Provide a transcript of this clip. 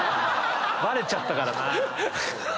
バレちゃったからな。